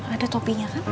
ada topinya kan